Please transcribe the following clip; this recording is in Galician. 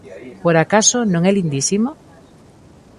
Por acaso non é lindísimo?